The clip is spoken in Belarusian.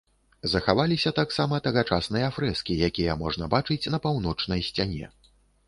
Захаваліся таксама тагачасныя фрэскі, якія можна бачыць на паўночнай сцяне.